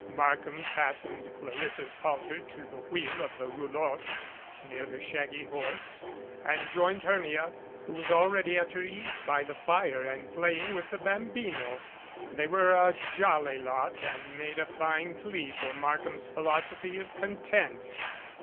Markham fastened Clarissa's halter to the wheel of the roulotte near the shaggy horse, and joined Hermia, who was already at her ease by the fire and playing with the bambino. They were a jolly lot and made a fine plea for Markham's philosophy of content.